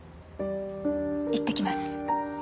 行ってきます。